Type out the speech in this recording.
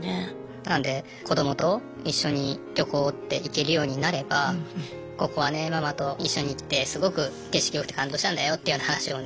なので子どもと一緒に旅行って行けるようになればここはねママと一緒に来てすごく景色良くて感動したんだよっていうような話をね